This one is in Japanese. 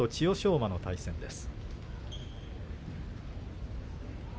馬の対戦です。